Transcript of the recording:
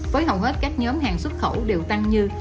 với hầu hết các nhóm hàng xuất khẩu đều tăng như